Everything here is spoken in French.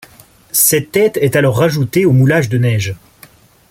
Cette tête est alors rajoutée au moulage de neige.